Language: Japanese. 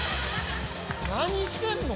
何してんの？